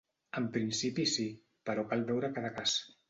En principi si, però cal veure cada cas.